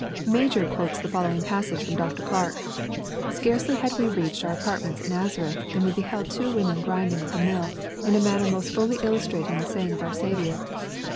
Major quotes the following passage from Dr. Clarke. *' Scarcely had we reached our apartments at Nazareth, than we beheld two women grinding at the mill, in a manner most fully illustrating the saying of our Saviour.